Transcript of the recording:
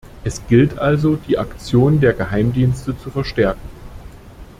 Es gilt also, die Aktion der Geheimdienste zu verstärken.